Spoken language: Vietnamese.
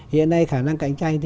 hiện nay khả năng cạnh tranh